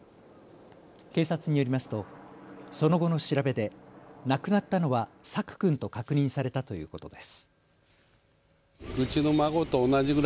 警察によりますとその後の調べで亡くなったのは朔君と確認されたということです。